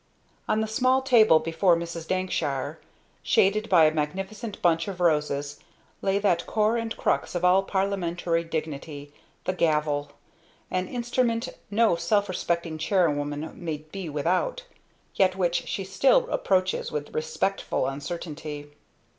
On the small table before Mrs. Dankshire, shaded by a magnificent bunch of roses, lay that core and crux of all parliamentry dignity, the gavel; an instrument no self respecting chairwoman may be without; yet which she still approaches with respectful uncertainty.